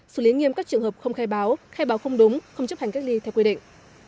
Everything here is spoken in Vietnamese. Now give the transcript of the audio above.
xử lý nghiêm các trường hợp không khai báo khai báo không đúng không chấp hành cách ly theo quy định